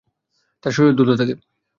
তার শরীরও দুলতে থাকে।